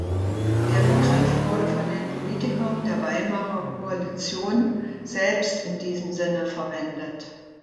Der Begriff wurde von den Politikern der Weimarer Koalition selbst in diesem Sinne verwendet.